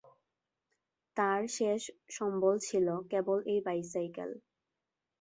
তার শেষ সম্বল ছিল কেবল এই বাইসাইকেল।